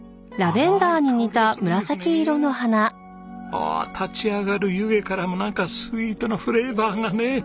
ああ立ち上がる湯気からもなんかスイートなフレーバーがね。